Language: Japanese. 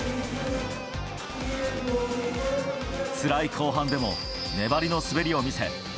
つらい後半でも粘りの滑りを見せ